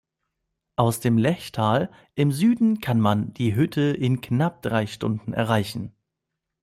Aus dem Lechtal im Süden kann man die Hütte in knapp drei Stunden erreichen.